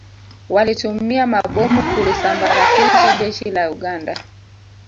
Walitumia mabomu kulisambaratisha Jeshi la Uganda